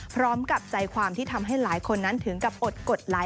พร้อมกับใจความที่ทำให้หลายคนนั้นถึงกับอดกดไลค์